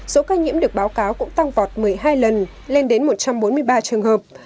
số ca nhiễm được báo cáo cũng tăng vọt một mươi hai lần lên đến một trăm bốn mươi ba trường hợp